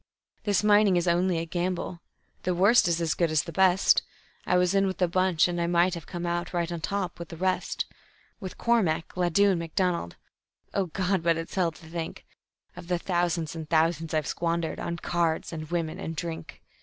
"This mining is only a gamble; the worst is as good as the best; I was in with the bunch and I might have come out right on top with the rest; With Cormack, Ladue and Macdonald O God! but it's hell to think Of the thousands and thousands I've squandered on cards and women and drink.